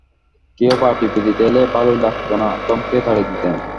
কেউ পা টিপে দিতে এলে ভালোই লাগত না, ধমকে তাড়িয়ে দিতেম।